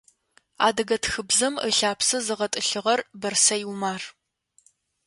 Адыгэ тхыбзэм ылъапсэ зыгъэтӏылъыгъэр Бэрсэй Умар.